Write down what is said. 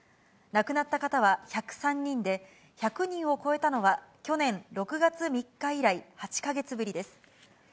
亡くなった方は１０３人で、１００人を超えたのは、去年６月３日以来、８か月ぶりです。